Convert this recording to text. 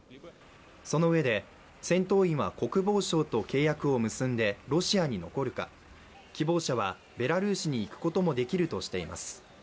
そのうえで戦闘員は国防省と契約を結んでロシアに残るか、希望者はベラルーシに行くこともできるとしています。